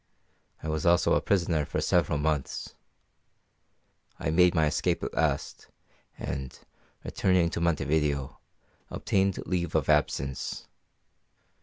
I was also a prisoner for several months. I made my escape at last, and, returning to Montevideo, obtained leave of absence.